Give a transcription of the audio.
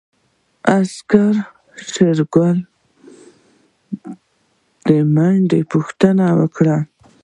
عسکرو د شېرګل د منډې پوښتنه وکړه.